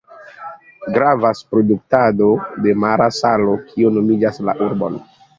Gravas produktado de mara salo, kio nomigas la urbon.